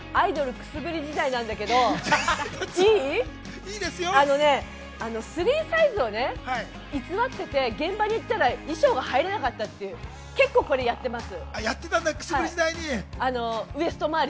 くすぶり時代なんだけど、スリーサイズをね、偽ってて現場に行ったら衣装が入らなかったっていうこれ結構やってます。